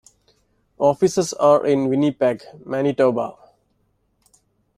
Offices are in Winnipeg, Manitoba.